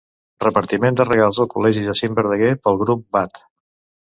Repartiment de regals al col·legi Jacint Verdaguer Pel Grup Bat.